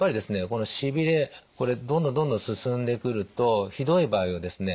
このしびれこれどんどんどんどん進んでくるとひどい場合はですね